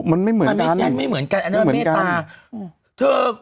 มันไม่เหมือนกันอันนั้นไม่เหมือนกันอันนั้นไม่เหมือนกันไม่เหมือนกัน